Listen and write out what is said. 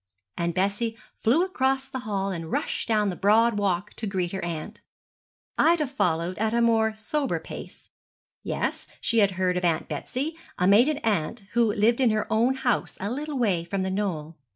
and Bessie flew across the hall and rushed down the broad walk to greet her aunt. Ida followed at a more sober pace. Yes, she had heard of Aunt Betsy a maiden aunt, who lived in her own house a little way from The Knoll.